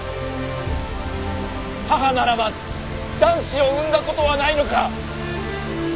母ならば男子を産んだことはないのか？